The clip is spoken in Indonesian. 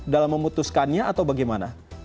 dalam memutuskannya atau bagaimana